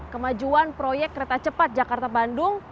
kemajuan proyek kereta cepat jakarta bandung masih tujuh puluh enam